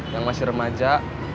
yang masih remaja